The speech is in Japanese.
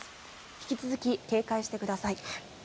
引き続き警戒してください。